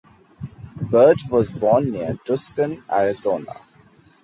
Bird was born near Tucson, Arizona.